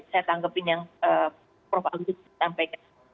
saya tanggap ini yang prof agus sampaikan